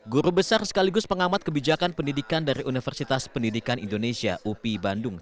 guru besar sekaligus pengamat kebijakan pendidikan dari universitas pendidikan indonesia upi bandung